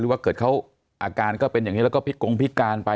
ว่าเกิดเขาอาการก็เป็นอย่างนี้แล้วก็พิกงพิการไป